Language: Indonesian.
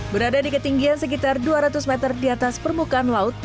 berada di ketinggian sekitar dua ratus meter di atas permukaan laut